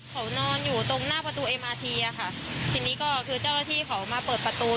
ก็มาเรื่อยจนมาถึงที่หนูยืนอยู่